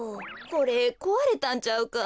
これこわれたんちゃうか？